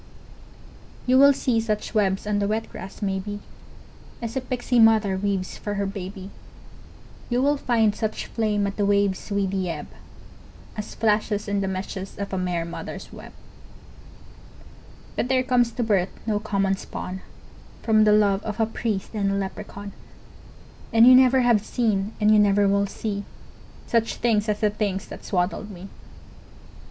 You will see such webs on the wet grass, maybe, As a pixie mother weaves for her baby, You will find such flame at the wave's weedy ebb As flashes in the meshes of a mer mother's web, But there comes to birth no common spawn From the love of a priest and a leprechaun, And you never have seen and you never will see Such things as the things that swaddled me!